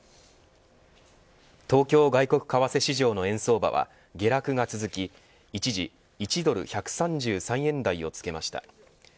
東京外国為替市場の円相場は下落が続き一時１ドル１３３円台をつけました。